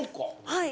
はい。